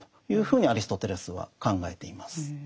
ふうにアリストテレスは考えています。